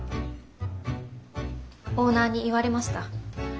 オーナーに言われました。